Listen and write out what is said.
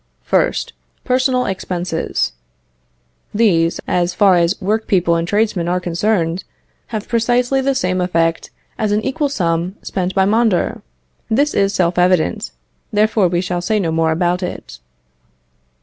1st. Personal expenses. These, as far as workpeople and tradesmen are concerned, have precisely the same effect as an equal sum spent by Mondor. This is self evident, therefore we shall say no more about it.